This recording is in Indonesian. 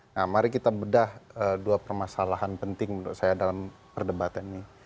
nah mari kita bedah dua permasalahan penting menurut saya dalam perdebatan ini